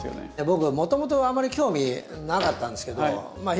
僕もともとはあんまり興味なかったんですけどまあ